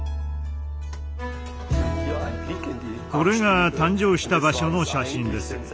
これが誕生した場所の写真です。